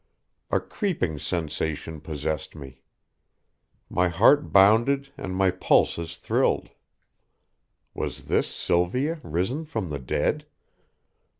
A creeping sensation possessed me. My heart bounded and my pulses thrilled. Was this Sylvia risen from the dead?